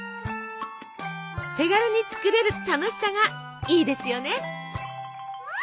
手軽に作れる楽しさがいいですよね！